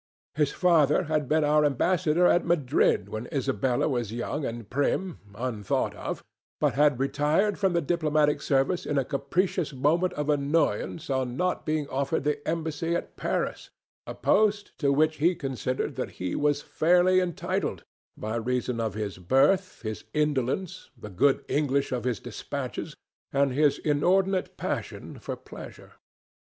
His father had been our ambassador at Madrid when Isabella was young and Prim unthought of, but had retired from the diplomatic service in a capricious moment of annoyance on not being offered the Embassy at Paris, a post to which he considered that he was fully entitled by reason of his birth, his indolence, the good English of his dispatches, and his inordinate passion for pleasure.